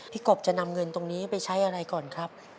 กบจะนำเงินตรงนี้ไปใช้อะไรก่อนครับ